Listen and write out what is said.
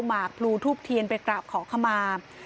หมากพลูทูบเทียนไปกราบขอขมา